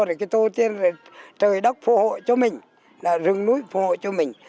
rồi cái tô tiên rồi trời đất phô hộ cho mình rừng núi phô hộ cho mình